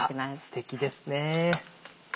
ステキですね。